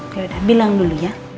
yaudah bilang dulu ya